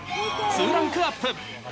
２ランクアップ。